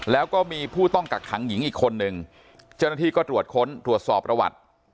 แล้วก็มีผู้ต้องกักขังหญิงอีกคนนึงเจ้าหน้าที่ก็ตรวจค้นตรวจสอบประวัติ